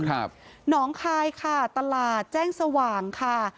หนองคายค่ะตลาดแจ้งสว่างค่ะ